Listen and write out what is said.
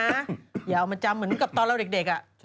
อย่าเอามาจำเหมือนกับตอนเราเด็ก